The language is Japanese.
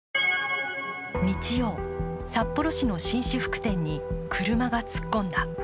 日曜、札幌市の紳士服店に車が突っ込んだ。